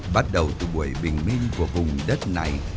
bắt đầu từ buổi bình minh của vùng đất này